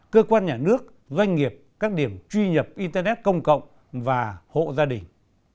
cơ quan nhà nước doanh nghiệp các điểm truy nhập internet công cộng và hộ gia đình